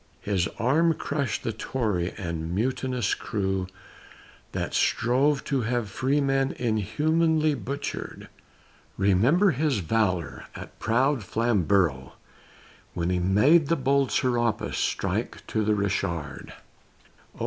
His arm crushed the Tory and mutinous crew That strove to have freemen inhumanly butchered; Remember his valor at proud Flamborough, When he made the bold Serapis strike to the Richard; Oh!